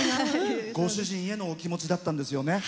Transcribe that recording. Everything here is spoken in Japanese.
ご主人へのお気持ちだったんですよね。